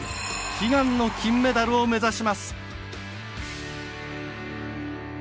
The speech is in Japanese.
悲願の金メダルを目指します。